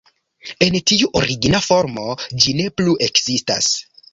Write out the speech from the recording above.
En tiu origina formo ĝi ne plu ekzistas.